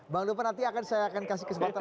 bang dopa nanti saya akan kasih kesempatan